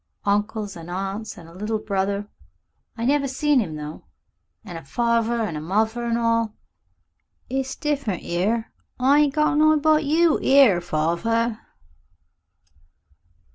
Uncles and aunts an' a little brother. I never seen him though. An' a farver and muvver an' all. It's different 'ere. I ain't got nobody but you 'ere farver."